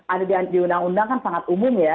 ada di undang undang kan sangat umum ya